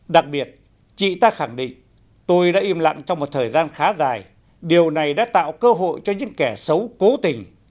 đặc biệt chị ta khẳng định tôi đã im lặng trong một thời gian khá dài điều này đã tạo cơ hội cho những kẻ xấu cố tình